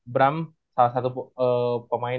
bram salah satu pemain